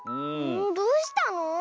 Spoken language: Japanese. どうしたの？